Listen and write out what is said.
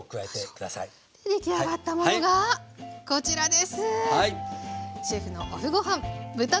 出来上がったものがこちらです。